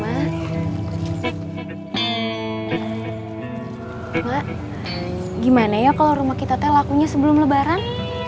mak gimana ya kalo rumah kita telakunya sebelum lebaran